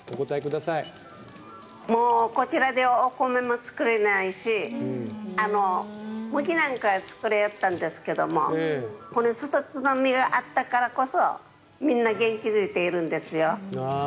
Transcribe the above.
こちらではお米も作れないし麦なんかは作れたんですけどソテツの実があったからこそみんな元気でいれるんですよ。